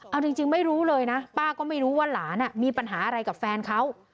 เอาจริงไม่รู้เลยนะป้าก็ไม่รู้ว่าหลานมีปัญหาอะไรกับแฟนเขา